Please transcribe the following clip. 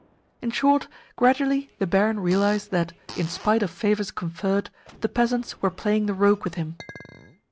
In short, gradually the barin realised that, in spite of favours conferred, the peasants were playing the rogue with him.